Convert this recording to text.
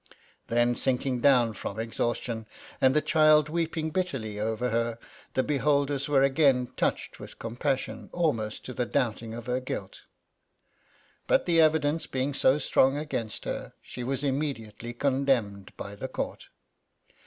Then sinking down from exhaustion, and the child weeping bitterly over her, the beholders were again touched with compassion, almost to the doubting of her guilt ; but the evidence being so strong against her, she was immediately condemned by the Court.